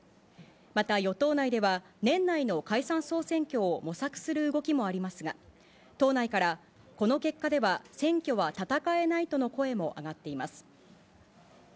また与党内では、年内の解散総選挙を模索する動きもありますが、党内から、この結果では選挙は戦えないとの声も上がっています。